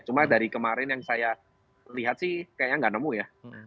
cuma dari kemarin yang saya lihat sih kayaknya nggak nemu ya